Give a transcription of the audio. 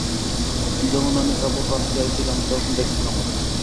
যখন আমি কাপড় রাখতে আইসিলাম, তখন দেখসিলাম ওরে।